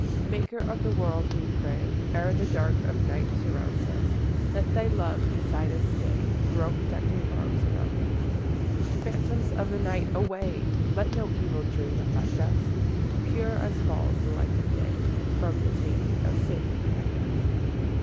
I Maker of the world, we pray, Ere the dark of night surround us, Let Thy love beside us stay, Throw protecting arms around us. II Phantoms of the night away! Let no evil dream affect us; Pure as falls the light of day, From the taint of sin protect us.